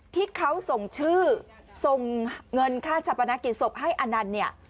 ที่เขาส่งชื่อส่งเงินค่าจับประนักกิจศพให้อานันต์